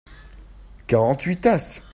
quarante huit tasses.